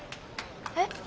えっ？